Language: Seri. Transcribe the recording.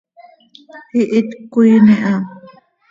Ihít cöquiin iha.